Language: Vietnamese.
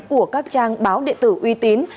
của các trang báo địa tử uy tín